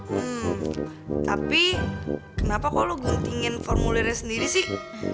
hmm tapi kenapa kok lo guntingin formulirnya sendiri sih